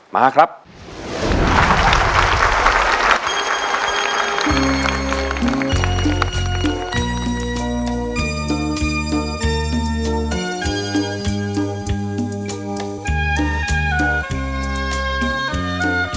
เพลง